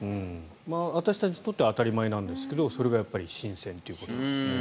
私たちにとっては当たり前なんですけどそれが新鮮ってことなんですね。